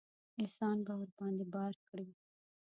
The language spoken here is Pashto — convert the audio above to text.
احسان به ورباندې بار کړي.